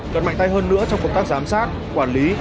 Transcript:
cần mạnh tay hơn nữa trong công tác giám sát quản lý